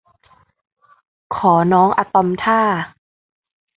ขอน้องอะตอมท่า